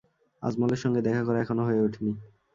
আজমলের সঙ্গে দেখা করা এখনো হয়ে ওঠে নি।